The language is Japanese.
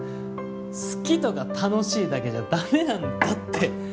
好きとか楽しいだけじゃダメなんだって。